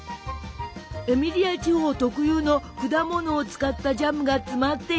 エミリア地方特有の果物を使ったジャムが詰まっているの。